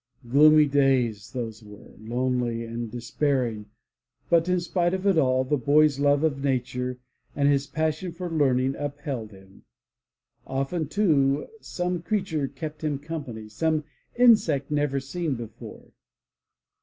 Gloomy days those were, lonely and despairing, but in spite of all, the boy's love of nature and his passion for learning upheld him. Often, too, some creature kept him company, some insect never seen before.